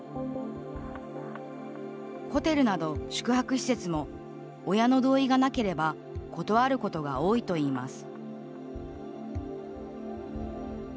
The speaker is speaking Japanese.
ホテルなど宿泊施設も親の同意がなければ断ることが多いといいます